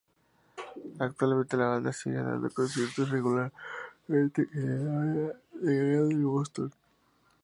Actualmente la banda sigue dando conciertos regularmente en el área de Greater Boston.